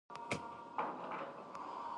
کاروبار دوامداره هڅه غواړي.